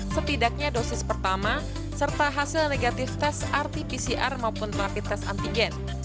setidaknya dosis pertama serta hasil negatif tes rt pcr maupun rapid test antigen